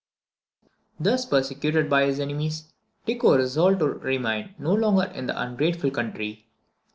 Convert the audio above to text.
Thus persecuted by his enemies, Tycho resolved to remain no longer in an ungrateful country.